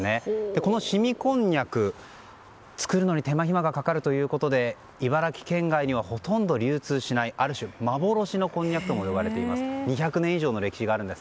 この凍みこんにゃく、作るのに手間暇がかかるということで茨城県外にはほとんど流通しないある種幻のこんにゃくとも呼ばれ２００年以上の歴史があります。